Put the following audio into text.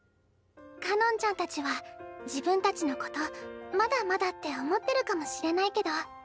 かのんちゃんたちは自分たちのことまだまだって思ってるかもしれないけど。